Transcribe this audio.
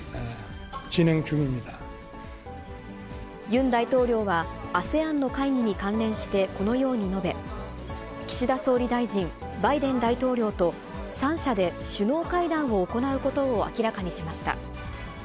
ユン大統領は、ＡＳＥＡＮの会議に関連してこのように述べ、岸田総理大臣、バイデン大統領と３者で首脳会談を行うことを明らかにしました。